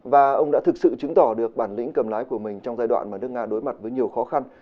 và ông đã thực sự chứng tỏ được bản lĩnh cầm lái của mình trong giai đoạn mà nước nga đối mặt với nhiều khó khăn